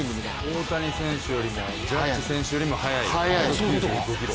大谷選手よりもジャッジ選手よりも速い１９５キロ。